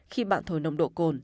khi bạn thổi nồng độ cồn